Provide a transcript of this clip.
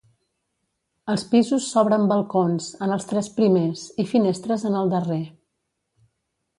Els pisos s'obren balcons, en els tres primers, i finestres en el darrer.